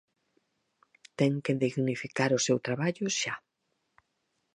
Ten que dignificar o seu traballo xa.